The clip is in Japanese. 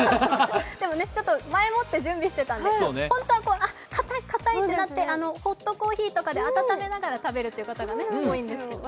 でもね、前もって準備してたんで、本当は、かたいかたいとなってホットコーヒーとかで温めながら食べることが多いんですけどね。